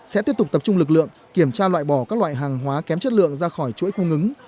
sẽ tiếp tục tập trung lực lượng kiểm tra loại bỏ các loại hàng hóa kém chất lượng ra khỏi chuỗi cung ứng